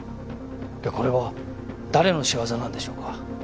これは誰の仕業なんでしょうか？